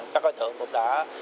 các đối tượng cũng đã